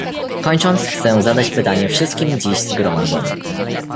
Kończąc, chcę zadać pytanie wszystkim dziś zgromadzonym